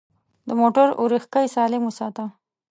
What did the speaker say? د موټر اورېښکۍ سالم وساته.